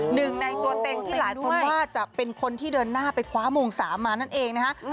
หนึ่งในตัวเต็งที่หลายคนว่าจะเป็นคนที่เดินหน้าไปคว้ามงสามมานั่นเองนะฮะ